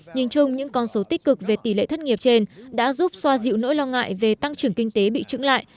nhìn chung những con số tích cực về tỷ lệ thất nghiệp trên đã giúp xoa dịu nỗi lo ngại về tăng trưởng kinh tế bị trứng lại